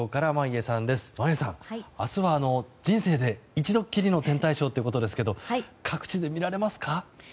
眞家さん明日は人生で一度きりの天体ショーということですが各地で見られますか？